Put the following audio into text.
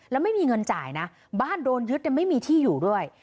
แล้วไม่มีเงินจ่ายนะบ้านโดนยึดไม่มีที่อยู่ด้วย